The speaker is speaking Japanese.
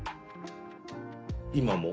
今も？